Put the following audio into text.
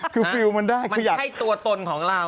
คือฟิลล์มันได้คืออยากให้ตัวตนของเรา